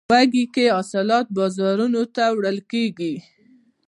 وږی کې حاصلات بازارونو ته وړل کیږي.